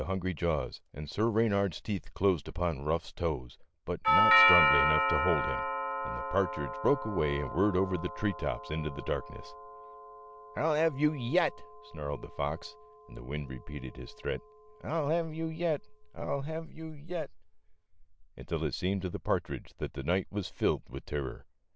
123 hungry jaws and Sir Reynard's teeth closed upon Ruff's toes, but not strongly enough to hold him, and the partridge broke away and whirred over the tree tops into the darkness. "I'll have you yet," snarled the fox, and the wind repeated his threat, M I '11 have you yet ; I'll have you yet," until it seemed to the partridge that the night was filled vith terror.